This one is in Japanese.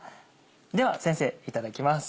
では先生いただきます。